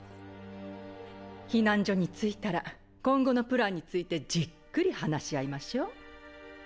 避難所に着いたら今後のプランについてじっくり話し合いましょ。